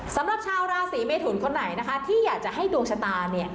สำหรับชาวราศีเมทุนคนไหนนะคะที่อยากจะให้ดวงชะตาเนี่ย